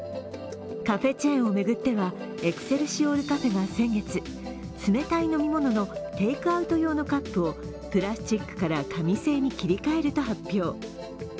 カフェチェーンを巡ってはエクセルシオールカフェが先月、冷たい飲み物のテイクアウト用のカップをプラスチックから紙製に切り替えると発表。